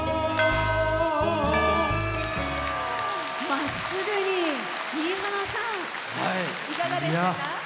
まっすぐに、新浜さんいかがでしたか？